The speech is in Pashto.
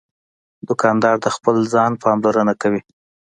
دوکاندار د خپل ځان پاملرنه کوي.